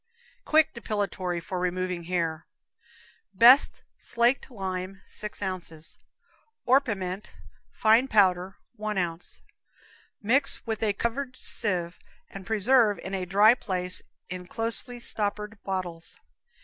Quick Depilatory for Removing Hair. Best slaked lime, 6 ounces; orpiment, fine powder, 1 ounce. Mix with a covered sieve and preserve in a dry place in closely stoppered bottles.